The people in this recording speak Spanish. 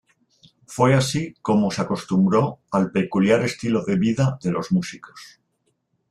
Fue así como se acostumbró al peculiar estilo de vida de los músicos.